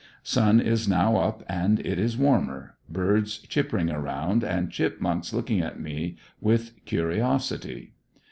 Sun is now up and it is warmer; birds chippering around, and chipmunks looking at me with curiosity.